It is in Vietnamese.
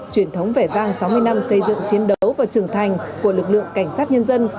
truyền thống vẻ vang sáu mươi năm xây dựng chiến đấu và trưởng thành của lực lượng cảnh sát nhân dân